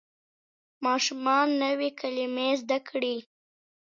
ماشوم نوې کلمه زده کړه